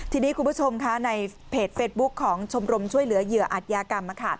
ทีนี้คุณผู้ชมค่ะในเพจเฟสบุ๊คของชมรมช่วยเหลือเหยื่ออัตยากรรม